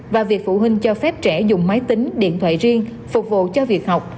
và việc phụ huynh cho phép trẻ dùng máy tính điện thoại riêng phục vụ cho việc học